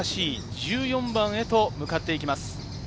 この後、難しい１４番へと向かっていきます。